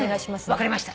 分かりました。